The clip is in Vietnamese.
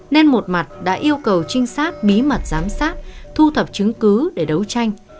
nên một mặt đã yêu cầu trinh sát bí mật giám sát thu thập chứng cứ để đấu tranh